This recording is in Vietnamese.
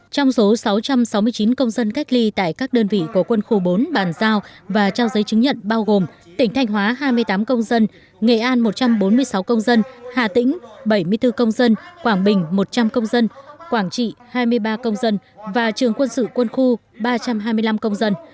trong số sáu trăm sáu mươi chín công dân cách ly tại các đơn vị của quân khu bốn bàn giao và trao giấy chứng nhận bao gồm tỉnh thanh hóa hai mươi tám công dân nghệ an một trăm bốn mươi sáu công dân hà tĩnh bảy mươi bốn công dân quảng bình một trăm linh công dân quảng trị hai mươi ba công dân và trường quân sự quân khu ba trăm hai mươi năm công dân